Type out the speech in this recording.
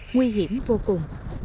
nguy hiểm vô cùng